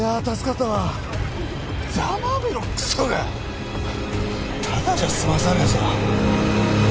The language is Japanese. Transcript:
ただじゃ済まさねえぞ！